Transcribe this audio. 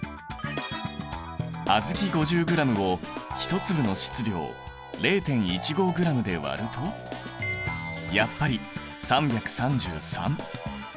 小豆５０ｇを１粒の質量０．１５ｇで割るとやっぱり３３３！